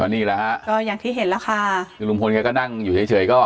อันนี้แล้วค่ะยังที่เห็นแล้วคุณลุงพลแค่นั่งอยู่เฉย